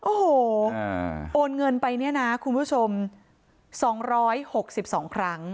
โอ้โหโอนเงินไปเนี่ยน่ะคุณผู้ชมสองร้อยหกสิบสองครั้ง